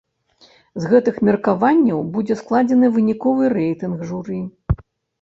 З гэтых меркаванняў будзе складзены выніковы рэйтынг журы.